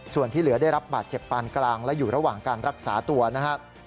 ส่วนที่เหลือได้รับบาดเจ็บปานกลางและอยู่ระหว่างการรักษาตัวนะครับ